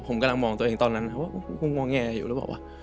ผมกำลังมองตัวเองตอนนั้นว่างอแงอยู่หรือเปล่าวะ